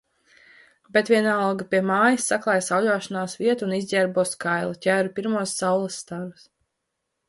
Bet vienalga pie mājas saklāju sauļošanās vietu un izģērbos kaila, ķēru pirmos saules starus.